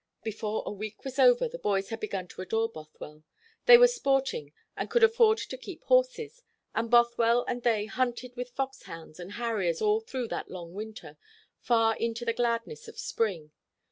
Before a week was over, the boys had begun to adore Bothwell. They were sporting, and could afford to keep horses; and Bothwell and they hunted with fox hounds and harriers all through that long winter, far into the gladness of spring.